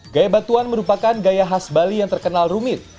gaya batuan merupakan gaya khas bali yang terkenal rumit